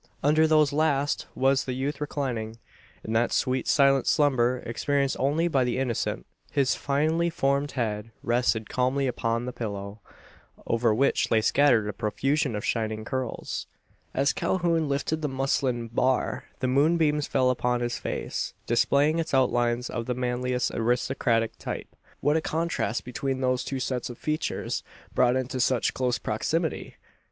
Under those last was the youth reclining; in that sweet silent slumber experienced only by the innocent. His finely formed head rested calmly upon the pillow, over which lay scattered a profusion of shining curls. As Calhoun lifted the muslin "bar," the moonbeams fell upon his face, displaying its outlines of the manliest aristocratic type. What a contrast between those two sets of features, brought into such close proximity!